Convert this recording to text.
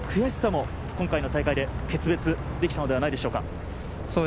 その悔しさも今回の大会で決別できたのではないでしょうか？